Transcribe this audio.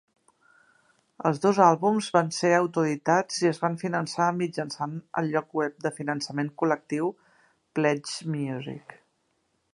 Els dos àlbums van ser autoeditats i es van finançar mitjançant el lloc web de finançament col·lectiu Pledgemusic.